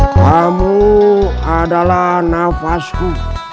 kamu adalah nafasku